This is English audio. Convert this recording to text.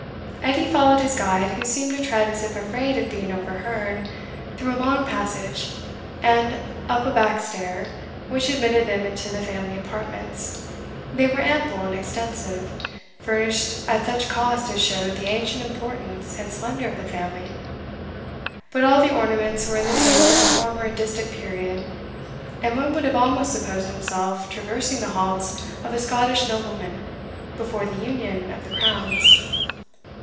Edie followed his guide, who seemed to tread as if afraid of being overheard, through a long passage, and up a back stair, which admitted them into the family apartments. They were ample and extensive, furnished at such cost as showed the ancient importance and splendour of the family. But all the ornaments were in the taste of a former and distant period, and one would have almost supposed himself traversing the halls of a Scottish nobleman before the union of the crowns.